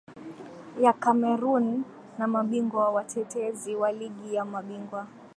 ya cameroon na mabingwa watetezi wa ligi ya mabingwa